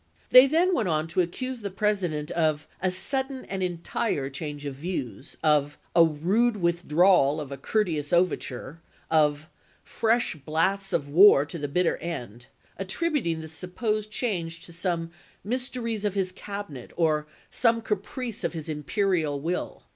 They then went on to accuse the President of a "sudden and entire change of views," of a " rude withdrawal of a courteous over ture," of " fresh blasts of war to the bitter end "; attributing this supposed change to some " myster ies of his Cabinet " or some " caprice of his imperial will."